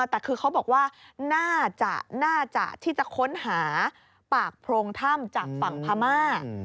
แต่คือเขาบอกว่าน่าจะที่จะค้นหาปากโพรงถ้ำจากฝั่งพม่า